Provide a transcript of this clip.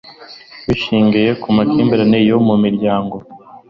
bishingiye ku makimbirane yo mu miryango.